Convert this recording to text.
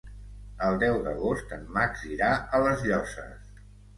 El deu d'agost en Max irà a les Llosses.